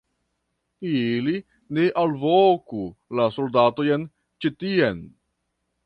ili ne alvoku la soldatojn ĉi tien!